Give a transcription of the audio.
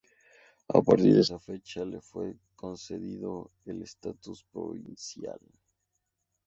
A partir de esa fecha, le fue concedido el estatus provincial.